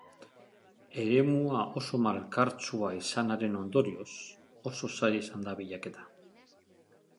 Eremua oso malkartsua izanaren ondorioz, oso zaila izan da bilaketa.